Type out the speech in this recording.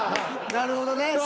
なるほどね